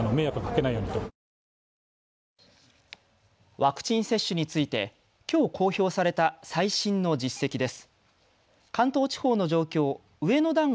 ワクチン接種についてきょう公表された最新の実績です。